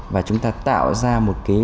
và chúng ta tạo ra một cái